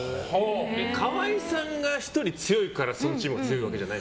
川合さんが１人、強いからそのチームが強いわけじゃない？